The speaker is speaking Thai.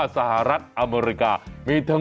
ใช้เมียได้ตลอด